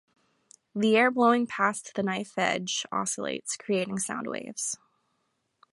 The air blowing past the knife edge oscillates, creating sound waves.